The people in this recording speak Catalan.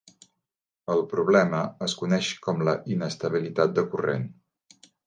El problema es coneix com la "inestabilitat de corrent".